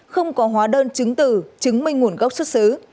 không có hóa đơn chứng từ chứng minh nguồn gốc xuất xứ